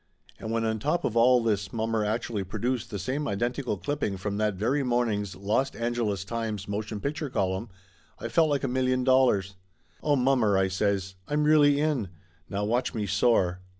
And when on top of all this mommr actually produced the same identical clipping from that very morning's Lost Angeles Times' motion picture column, I felt like a million dollars. "Oh, mommer!" I says. "I'm really in! Now watch me soar !"